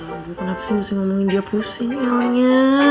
aduh bu kenapa sih ngomongin dia pusing elnya